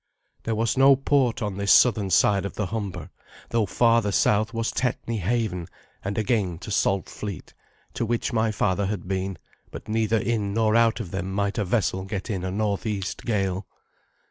There was no port on this southern side of the Humber, though farther south was Tetney Haven and again Saltfleet, to which my father had been, but neither in nor out of them might a vessel get in a northeast gale.